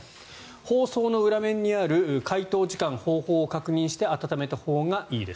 包装の裏面にある解凍時間、方法を確認して温めたほうがいいです。